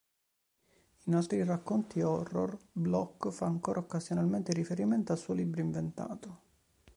In altri racconti horror, Bloch fa ancora occasionalmente riferimento al suo libro inventato.